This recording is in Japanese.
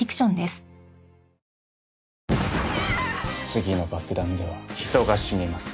次の爆弾では人が死にます。